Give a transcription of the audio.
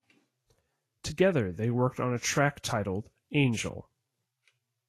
Together they worked on a track titled "Angel".